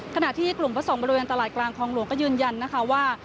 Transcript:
ขณะที่กลุ่มพระสงฆ์บริเวณตลาดกลางคลองหลวงก็ยืนยันนะคะว่า